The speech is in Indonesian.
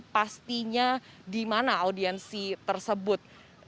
pastinya di mana audiensi tersebut